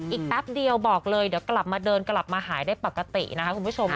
แป๊บเดียวบอกเลยเดี๋ยวกลับมาเดินกลับมาหายได้ปกตินะคะคุณผู้ชม